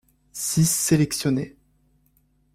Six sélectionnés.